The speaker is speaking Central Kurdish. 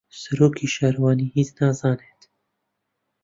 سەرۆک شارەوانی هیچ نازانێت.